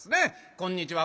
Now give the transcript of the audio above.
「こんにちは」。